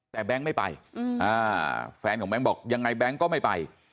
แต่แบงค์ไม่ไปแฟนของแบงค์บอกยังไงแบงค์ก็ไม่ไป